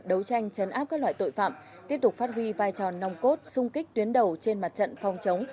đấu tranh chấn áp các loại tội phạm tiếp tục phát huy vai trò nòng cốt sung kích tuyến đầu trên mặt trận phòng chống